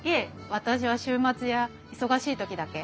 私は週末や忙しい時だけ。